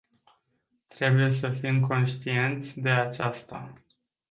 Trebuie să fim conștienți de aceasta.